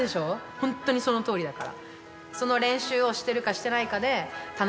ほんとにそのとおりだから！